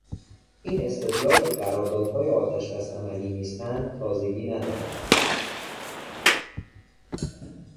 این استدلال که قراردادهای آتشبس عملی نیستند تازگی ندارد.